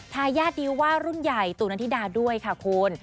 ทายาทดีลว่ารุ่นใหญ่ตูนันธิดาด้วยค่ะคุณ